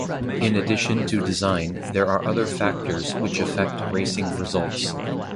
In addition to design there are other factors which affect racing results.